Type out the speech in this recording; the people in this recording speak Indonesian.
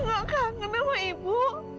ibu gak kangen emang ibu